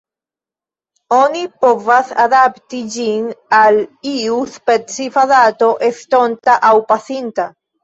Oni povas adapti ĝin al iu specifa dato estonta aŭ pasinta.